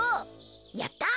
やった！